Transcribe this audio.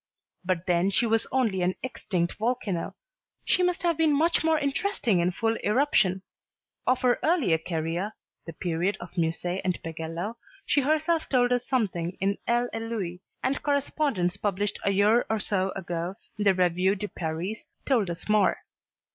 But then she was only an "extinct volcano;" she must have been much more interesting in full eruption. Of her earlier career the period of Musset and Pagello she herself told us something in "Elle et Lui," and correspondence published a year or so ago in the "Revue de Paris" told us more.